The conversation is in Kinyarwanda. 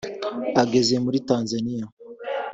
Ageze muri Tanzania